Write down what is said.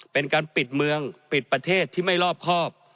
เป็นการปิดเมืองปิดประเทศที่ไม่รอบครอบ